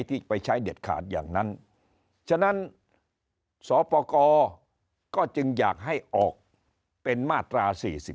ที่ไปใช้เด็ดขาดอย่างนั้นฉะนั้นสปกรก็จึงอยากให้ออกเป็นมาตรา๔๔